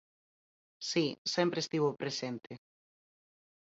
Si, sempre estivo presente.